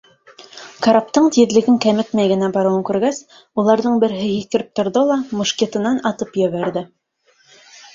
Караптың тиҙлеген кәметмәй генә барыуын күргәс, уларҙың береһе һикереп торҙо ла мушкетынан атып ебәрҙе.